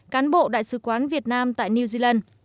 cán bộ đại sứ quán việt nam tại new zealand